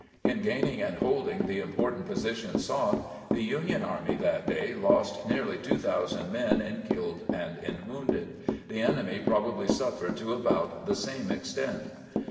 In gaining and holding the important posi tion sought, the Union army that day lost nearly 2000 men in killed and in wounded; the enemy probably suffered to about the same ex; tent.